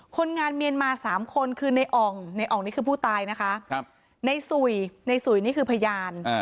คนงานเมียนมา๓คนคือในอ่องในอ่องนี่คือผู้ตายนะคะในสุยในสุยนี่คือพยาน